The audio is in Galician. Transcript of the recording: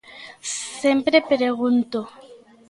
Sempre pregunto.